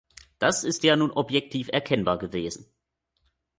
Das ist ja nun objektiv erkennbar gewesen.